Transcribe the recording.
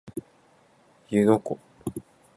湯ノ湖